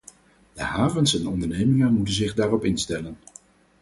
De havens en ondernemingen moeten zich daarop instellen.